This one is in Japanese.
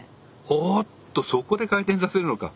おっとそこで回転させるのか。